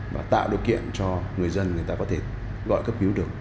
và tạo điều kiện cho người dân người ta có thể gọi cấp cứu được